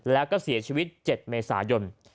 แล้วก็เสียชีวิต๗เมษายน